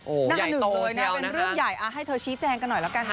โอ้โฮใหญ่โตน่าหนึ่งเลยนะครับเป็นเรื่องใหญ่อ่ะให้เธอชี้แจงกันหน่อยละกันค่ะ